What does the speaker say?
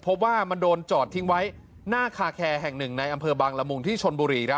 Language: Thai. เพราะว่ามันโดนจอดทิ้งไว้หน้าคาแคร์แห่งหนึ่งในอำเภอบางละมุงที่ชนบุรี